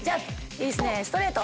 いいですねストレート！